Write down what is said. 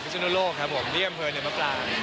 ที่ดีกับเตะยามเผลออยู่ในประปราหรันท์